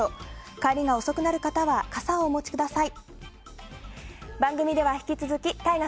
帰りが遅くなる方は傘をお持ちください。